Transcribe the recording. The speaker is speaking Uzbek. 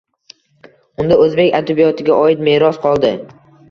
Undan o’zbek adabiyotiga oid meros qoldi.